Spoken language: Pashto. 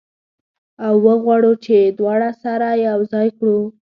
او وغواړو چې دواړه سره یو ځای کړو.